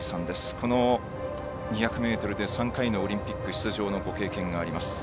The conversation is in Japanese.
この２００ｍで３回のオリンピック出場のご経験があります。